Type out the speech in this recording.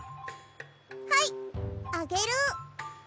はいあげる。